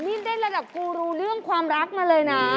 มันนี่เล่นเรื่องรักมาเลยนะ